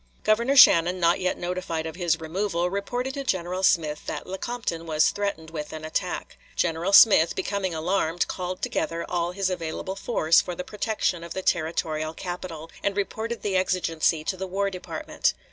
Governor Shannon, not yet notified of his removal, reported to General Smith that Lecompton was threatened with an attack. General Smith, becoming alarmed, called together all his available force for the protection of the territorial capital, and reported the exigency to the War Department.